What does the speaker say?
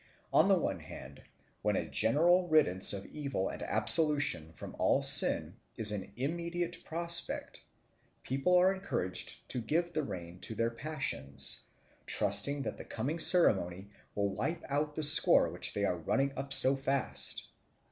On the one hand, when a general riddance of evil and absolution from all sin is in immediate prospect, men are encouraged to give the rein to their passions, trusting that the coming ceremony will wipe out the score which they are running up so fast.